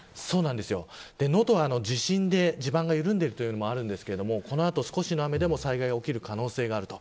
能登は地震で地盤が緩んでいるというのもありますが少しの雨でも災害が起きる可能性があります。